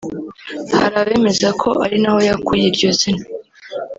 hari abemeza ko ari na ho yakuye iryo zina